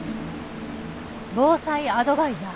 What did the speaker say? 防災アドバイザー。